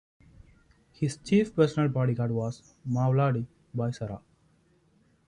His chief personal bodyguard was Movladi Baisarov.